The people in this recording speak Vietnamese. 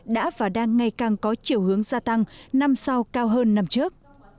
đã và đang ngày càng có chiều hướng gia tăng năm sau cao hơn năm trước